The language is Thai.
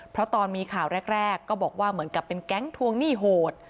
เพราะตอนมีข่าวแรกก็บอกว่าเหมือนกับเป็นแก๊งทวงหนี้โหด